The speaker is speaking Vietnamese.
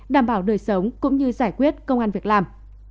đảm bảo đời sống cũng như giải quyết công an việc làm